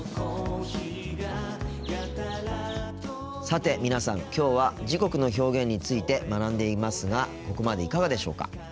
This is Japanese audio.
さて皆さんきょうは時刻の表現について学んでいますがここまでいかがでしょうか。